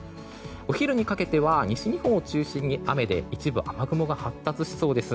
お昼にかけては西日本を中心に雨で一部雨雲が発達しそうです。